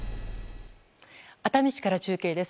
熱海市から中継です。